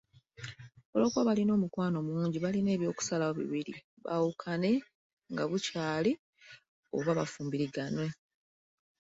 Olw'okuba baalina omukwano mungi baalina eby'okusalawo bibiri; baawukane nga bukyali oba bafumbirigane.